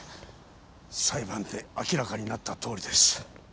裁判で明らかになったとおりです。